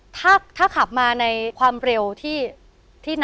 ถ้าขับมาในความเร็วที่